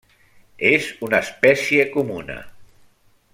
És una espècie comuna.